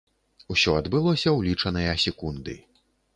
Усё адбылося ў лічаныя секунды.